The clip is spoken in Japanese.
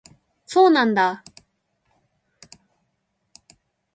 そうなんだ